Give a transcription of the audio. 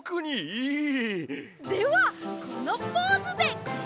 ではこのポーズで！